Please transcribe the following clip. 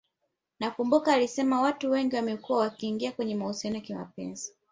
nakumbuka alisema Watu wengi wamekua wakiingia kwenye mahusiano ya kimapenzi